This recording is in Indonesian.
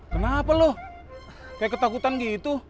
kenapa loh kayak ketakutan gitu